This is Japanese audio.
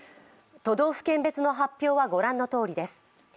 都道府県別の発表は御覧のとおりです。